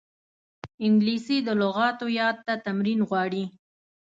انګلیسي د لغاتو یاد ته تمرین غواړي